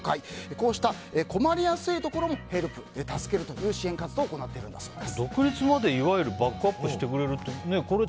こうした困りやすいところにヘルプで助けるという支援活動を行っているんだそうです。